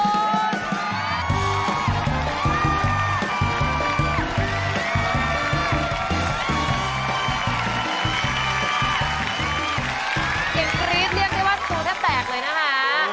กรี๊ดเรียกได้ว่าตัวแทบแตกเลยนะคะ